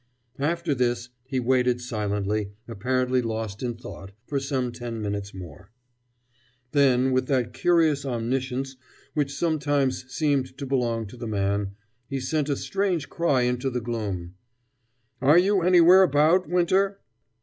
After this he waited silently, apparently lost in thought, for some ten minutes more. Then, with that curious omniscience which sometimes seemed to belong to the man, he sent a strange cry into the gloom. "Are you anywhere about, Winter?"